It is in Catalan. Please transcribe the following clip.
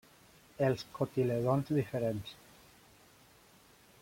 Els cotilèdons diferents.